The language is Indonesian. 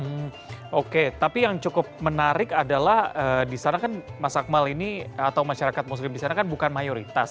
hmm oke tapi yang cukup menarik adalah di sana kan mas akmal ini atau masyarakat muslim di sana kan bukan mayoritas